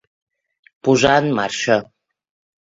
Posar en marxa.